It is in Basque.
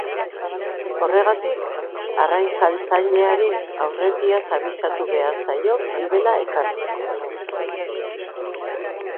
Horregatik, arrain-saltzaileari aurretiaz abisatu behar zaio gibela ekartzeko.